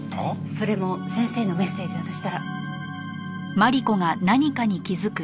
それも先生のメッセージだとしたら。